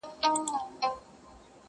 انصاف نه دی ترافیک دي هم امام وي,